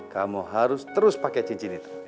kamu harus terus pake cincin itu ya